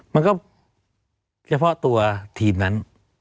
มันก็เฉพาะตัวทีมนั้น